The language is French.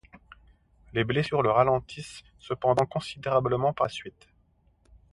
Les blessures le ralentissent cependant considérablement par la suite.